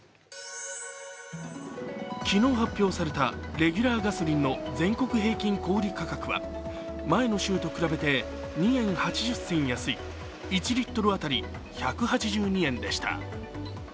昨日発表されたレギュラーガソリンの全国平均小売価格は前の週と比べて２円８０銭安い１リットル当たり１８２円でした。